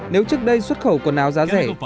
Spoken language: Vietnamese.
nếu trước đây xuất khẩu quần áo giá rẻ